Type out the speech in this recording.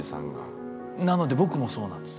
なので僕もそうなんです。